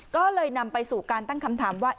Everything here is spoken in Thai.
ก็เลยนำไปสู่การตั้งคำถามว่า